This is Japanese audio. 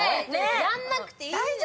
やんなくていいのよ！